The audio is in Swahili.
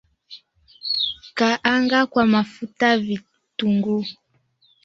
Kaanga kwa mafuta vitunguu